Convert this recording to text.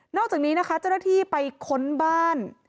อกจากนี้นะคะเจ้าหน้าที่ไปค้นบ้าน